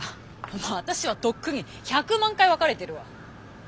もう私はとっくに１００万回別れてるわ。